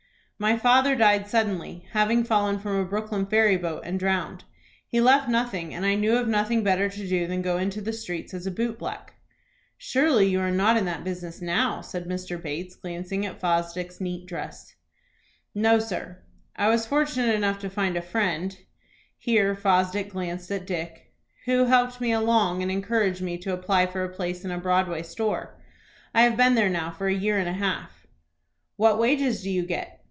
"My father died suddenly, having fallen from a Brooklyn ferry boat and drowned. He left nothing, and I knew of nothing better to do than to go into the streets as a boot black." "Surely you are not in that business now?" said Mr. Bates, glancing at Fosdick's neat dress. "No, sir; I was fortunate enough to find a friend," here Fosdick glanced at Dick, "who helped me along, and encouraged me to apply for a place in a Broadway store. I have been there now for a year and a half." "What wages do you get?